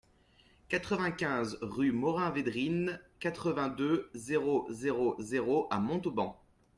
quatre-vingt-quinze rue Morin-Védrines, quatre-vingt-deux, zéro zéro zéro à Montauban